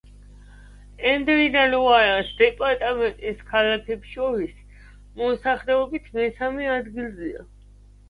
ენდრი და ლუარას დეპარტამენტის ქალაქებს შორის მოსახლეობით მესამე ადგილზეა.